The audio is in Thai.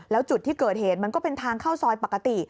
แล้วจุดที่เกิดเหตุมันก็เป็นทางเข้าซอยปกติ